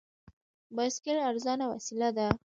بایسکل ارزانه وسیله ده.